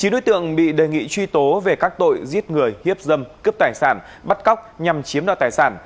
chín đối tượng bị đề nghị truy tố về các tội giết người hiếp dâm cướp tài sản bắt cóc nhằm chiếm đoạt tài sản